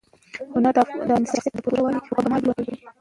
هنر د انسان شخصیت ته د پوره والي او کمال بوی ورکوي.